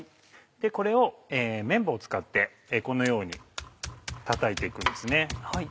これを麺棒を使ってこのようにたたいて行くんですね。